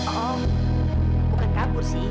oh bukan kabur sih